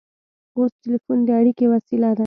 اوس ټیلیفون د اړیکې وسیله ده.